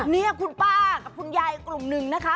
นี่คุณป้ากับคุณยายกลุ่มหนึ่งนะคะ